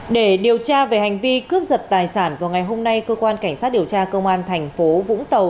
để điều tra về hành vi cướp giật tài sản vào ngày hôm nay cơ quan cảnh sát điều tra công an thành phố vũng tàu